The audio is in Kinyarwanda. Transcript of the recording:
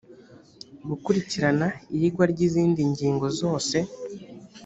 gukurikirana iyigwa ry izindi ngingo zose